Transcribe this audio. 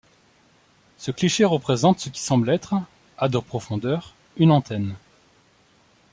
Ce cliché représente ce qui semble être, à de profondeur, une antenne.